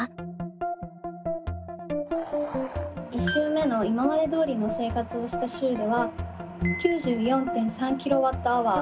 １週目の今までどおりの生活をした週では９４．３ｋＷｈ。